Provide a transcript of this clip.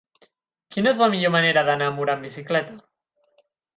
Quina és la millor manera d'anar a Mura amb bicicleta?